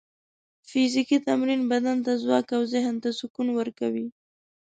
فزیکي تمرین بدن ته ځواک او ذهن ته سکون ورکوي.